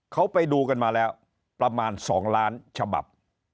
เขาไปดูกันมาแล้วประมาณ๒ล้านฉบับ